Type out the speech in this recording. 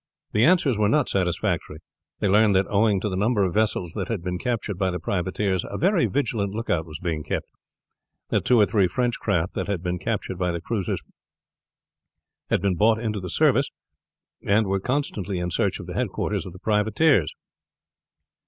The answers were not satisfactory. They learned that owing to the numbers of vessels that had been captured by the privateers a very vigilant lookout was being kept; that two or three French craft that had been captured by the cruisers had been bought into the service, and were constantly in search of the headquarters of the privateers.